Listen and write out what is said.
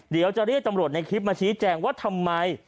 เดี๋ยวจะเรียกตำรวจในคลิปมาชี้แจงว่าทำไม